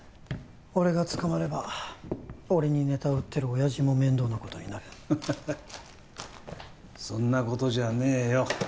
俺が捕まれば俺にネタを売ってる親爺も面倒なことになるそんなことじゃねえよ